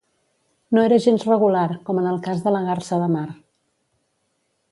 No era gens regular, com en el cas de la garsa de mar